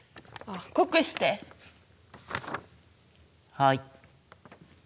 はい。